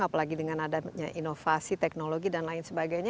apalagi dengan adanya inovasi teknologi dan lain sebagainya